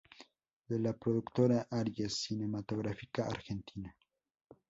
De la productora Aries Cinematográfica Argentina.